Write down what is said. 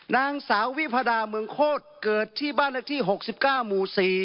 นางสาววิพาดาเมืองโคตรเกิดที่บ้านเลขที่๖๙หมู่๔